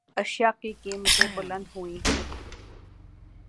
اشیا کی قیمتیں بلند ہوئیں